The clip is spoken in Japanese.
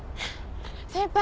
先輩。